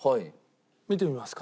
見てみますか？